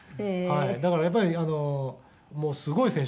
「だからやっぱりもうすごい選手でした」